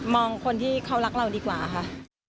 คนที่เขารักเราดีกว่าค่ะ